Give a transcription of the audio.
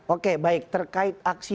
oke baik terkait aksi